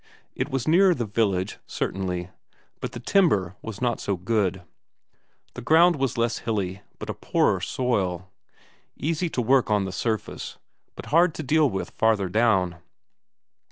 It was nearer the village, certainly, but the timber was not so good; the ground was less hilly, but a poorer soil; easy to work on the surface, but hard to deal with farther down.